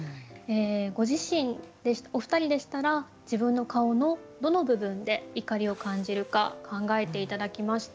ご自身お二人でしたら自分の顔のどの部分で怒りを感じるか考えて頂きました。